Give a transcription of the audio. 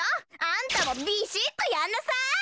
あんたもビシッとやんなさい！